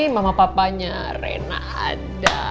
mama papanya rena ada